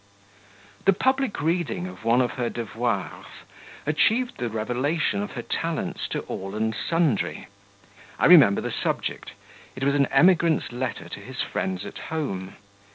The public reading of one of her devoirs achieved the revelation of her talents to all and sundry; I remember the subject it was an emigrant's letter to his friends at home.